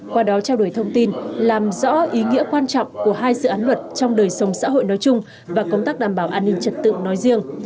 qua đó trao đổi thông tin làm rõ ý nghĩa quan trọng của hai dự án luật trong đời sống xã hội nói chung và công tác đảm bảo an ninh trật tự nói riêng